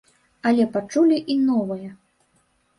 Але пачулі і новае.